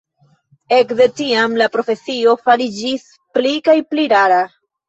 Ekde tiam la profesio fariĝis pli kaj pli rara.